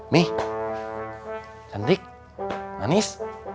mi cantik manis